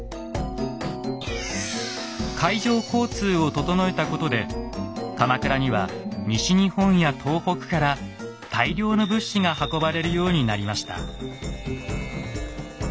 海上交通を整えたことで鎌倉には西日本や東北から大量の物資が運ばれるようになりました。